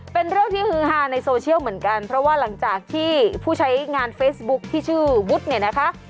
เป็นเรื่องที่ฮือฮาในโซเชียลเหมือนกันเพราะว่าหลังจากที่ผู้ใช้งานเฟซบุ๊คที่ชื่อวุฒิเนี่ยนะคะ